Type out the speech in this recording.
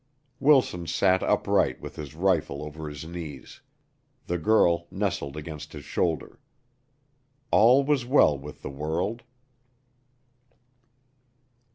Wilson sat upright with his rifle over his knees. The girl nestled against his shoulder. All was well with the world.